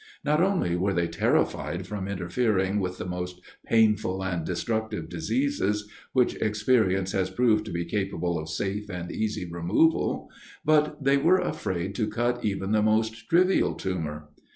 Not only were they terrified from interfering with the most painful and destructive diseases, which experience has proved to be capable of safe and easy removal, but they were afraid to cut even the most trivial tumor.